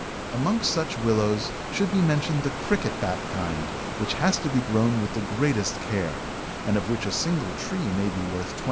Amongst such Willows, should be mentioned the "cricket bat" kind, which has to be grown with the very greatest care, and of which a single tree may be worth £28.